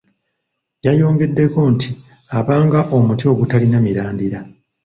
Yayongeddeko nti abanga omuti ogutalina mirandira.